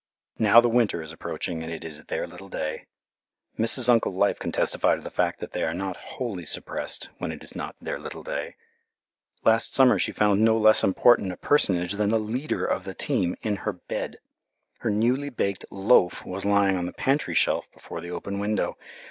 Now the winter is approaching, and it is "their little day." Mrs. Uncle Life can testify to the fact that they are not wholly suppressed when it is not "their little day." Last summer she found no less important a personage than the leader of the team in her bed. Her newly baked "loaf" was lying on the pantry shelf before the open window.